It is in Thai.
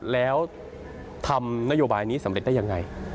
แล้วทำนโยบายนี้สำเร็จได้ยังไง